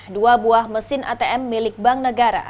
dua buah mesin atm milik bank negara